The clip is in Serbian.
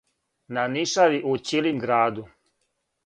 На Нишави у ћилимграду.